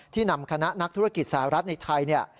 นำคณะนักธุรกิจสหรัฐในไทย